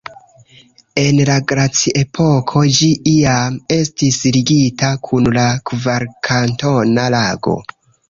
En la glaciepoko ĝi iam estis ligita kun la Kvarkantona Lago.